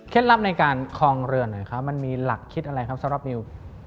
ลับในการคลองเรือหน่อยครับมันมีหลักคิดอะไรครับสำหรับนิว